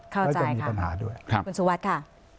เข้าใจค่ะแล้วจะมีปัญหาด้วยคุณสุวัสดิ์ค่ะ